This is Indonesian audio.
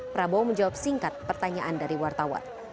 prabowo menjawab singkat pertanyaan dari wartawan